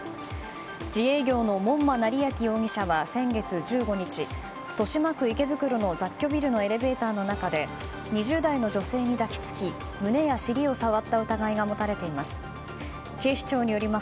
自営業の門馬成顕容疑者は先月１５日豊島区池袋の雑居ビルのエレベーターの中で２０代の女性に抱きつき胸や尻を触った疑いが持たれています。